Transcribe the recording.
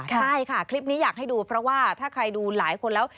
ใช่ค่ะคลิปนี้อยากให้ดูเพราะว่าถ้าใครดูหลายคนแล้ว